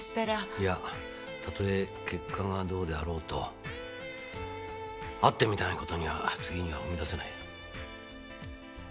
いや例え結果がどうであろうと会ってみない事には次には踏み出せない。